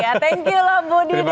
thank you lah budi dan juga intan